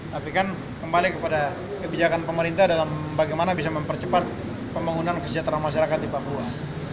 tapi kan kembali kepada kebijakan pemerintah dalam bagaimana bisa mempercepat pembangunan kesejahteraan masyarakat di papua